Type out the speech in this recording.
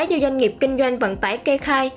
do doanh nghiệp kinh doanh vận tải kê khai